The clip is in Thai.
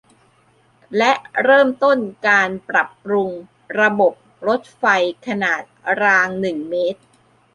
และเริ่มต้นการปรับปรุงระบบรถไฟขนาดรางหนึ่งเมตร